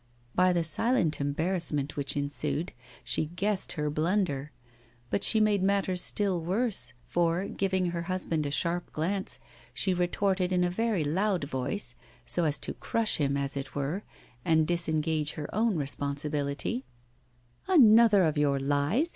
By the silent embarrassment which ensued she guessed her blunder. But she made matters still worse, for, giving her husband a sharp glance, she retorted in a very loud voice, so as to crush him, as it were, and disengage her own responsibility: 'Another of your lies!